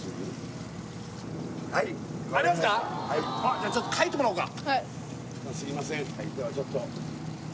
じゃあちょっと書いてもらおうか。